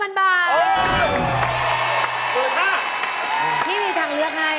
นี่มีทางเลือกให้